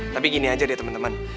tapi gini aja deh temen temen